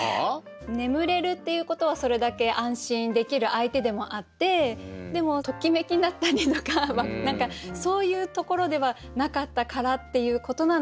眠れるっていうことはそれだけ安心できる相手でもあってでもときめきだったりとか何かそういうところではなかったからっていうことなのかなみたいな。